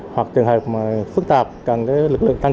hoặc trường hợp phức tạp cần lực lượng tăng cư